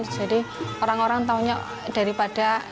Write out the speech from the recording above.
jadi orang orang taunya daripada